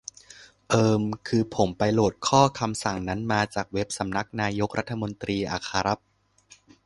เอิ่ม คือ ผมไปโหลดข้อคำสั่งนั้นมาจากเว็บสำนักนายกรัฐมนตรีอะครับ